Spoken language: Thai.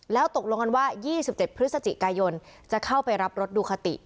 แล้วตกลงกันว่า๒๗พฤศจิกายนจะเข้าไปรับรถดูคาติ